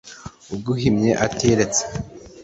uguhimye atiretse ....